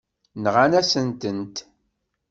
Nɣan-asent-tent.